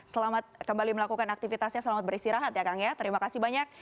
selamat kembali melakukan aktivitasnya selamat beristirahat ya kang ya terima kasih banyak